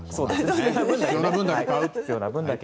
必要な分だけ買う。